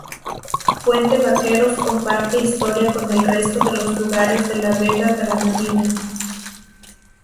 Fuente Vaqueros comparte historia con el resto de los lugares de la Vega granadina.